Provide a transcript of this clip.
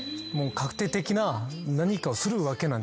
確定的な何かをするわけなんじゃないですか。